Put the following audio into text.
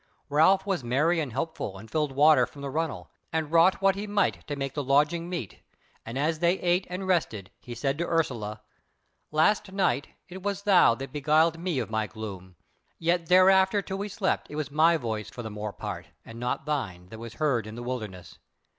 Ralph was merry and helpful and filled water from the runnel, and wrought what he might to make the lodging meet; and as they ate and rested he said to Ursula: "Last night it was thou that beguiled me of my gloom, yet thereafter till we slept it was my voice for the more part, and not thine, that was heard in the wilderness.